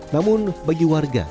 namun bagi warga